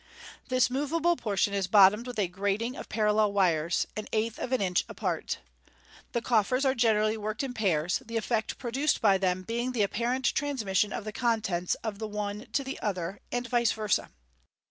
This moveable portion is bottomed with a grating of parallel wires, an eighth of an inch apart. The coffers are generally worked in pairs, the effect produced by them being the apparent transmission of the contents of the one to the other, and vice versa.